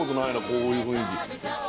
こういう雰囲気